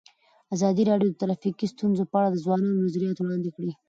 ازادي راډیو د ټرافیکي ستونزې په اړه د ځوانانو نظریات وړاندې کړي.